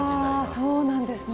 そうなんですね。